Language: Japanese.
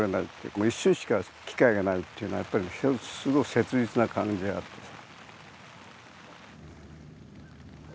もう一瞬しか機会がないっていうのはやっぱりすごい切実な感じがあるんです。